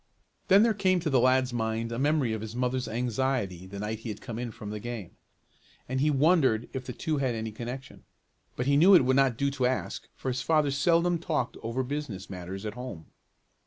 Then there came to the lad's mind a memory of his mother's anxiety the night he had come in from the game, and he wondered if the two had any connection. But he knew it would not do to ask, for his father seldom talked over business matters at home.